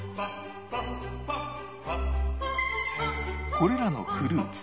これらのフルーツ